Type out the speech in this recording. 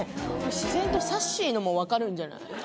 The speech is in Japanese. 自然とさっしーのも分かるんじゃない？